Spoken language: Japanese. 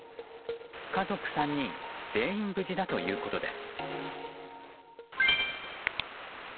家族３人全員無事だということです。